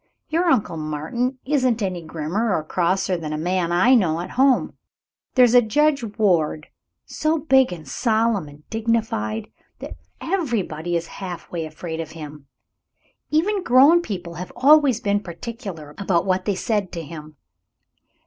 Your Uncle Martin isn't any grimmer or crosser than a man I know at home. There's Judge Ward, so big and solemn and dignified that everybody is half way afraid of him. Even grown people have always been particular about what they said to him.